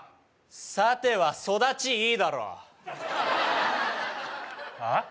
さては育ちいいだろあっ？